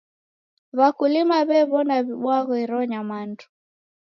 W'akulima w'ew'ona w'ibwaghe iro nyamandu.